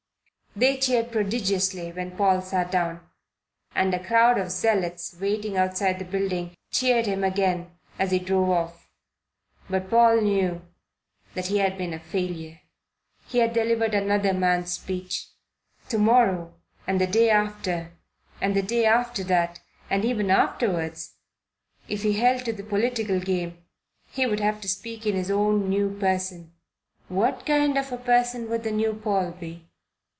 They cheered prodigiously when Paul sat down, and a crowd of zealots waiting outside the building cheered him again as he drove off. But Paul knew that he had been a failure. He had delivered another man's speech. To morrow and the day after and the day after that, and ever afterwards, if he held to the political game, he would have to speak in his own new person. What kind of a person would the new Paul be?